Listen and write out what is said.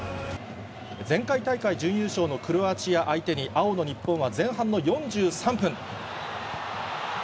前回大会準優勝のクロアチア相手に、青の日本は前半の４３分。